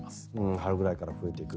春ぐらいから増えていく。